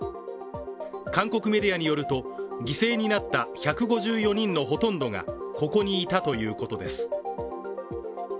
韓国メディアによると、犠牲になった１５４人のほとんどがここにいたということです。